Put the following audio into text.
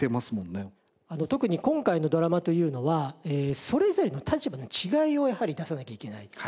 特に今回のドラマというのはそれぞれの立場の違いをやはり出さなきゃいけない。